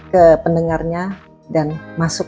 ke pendengarnya dan masuk